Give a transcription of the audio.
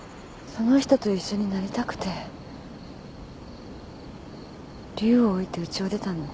その人と一緒になりたくて竜を置いてウチを出たの。